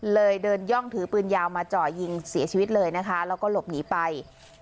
เลยเดินย่องถือปืนยาวมาเจาะยิงเสียชีวิตเลยนะคะแล้วก็หลบหนีไป